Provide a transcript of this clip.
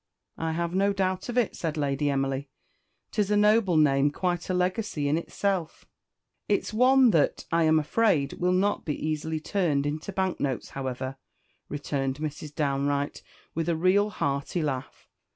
"I have no doubt of it," said Lady Emily. "Tis a noble name quite a legacy in itself." "It's one that, I am afraid, will not be easily turned into bank notes, however," returned Mrs. Downe Wright, with a real hearty laugh.